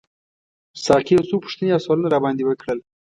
ساقي یو څو پوښتنې او سوالونه راباندي وکړل.